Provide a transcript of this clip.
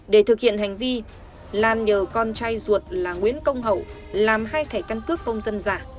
để thực hiện hành vi lan nhờ con trai ruột là nguyễn công hậu làm hai thẻ căn cước công dân giả